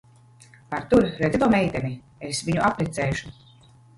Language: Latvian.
Artūr, redzi to meiteni? Es viņu apprecēšu.